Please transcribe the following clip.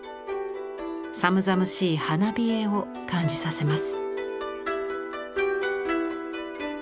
寒々しい花冷えを感じさせます。